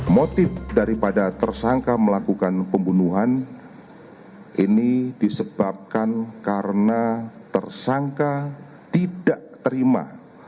motif daripada tersangka melakukan pembunuhan ini disebabkan karena tersangka tidak terima